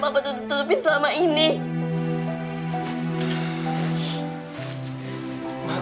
apa biar urusin pagi